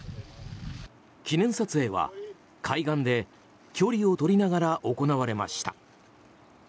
記念撮影は海岸で距離を取りながら行われました。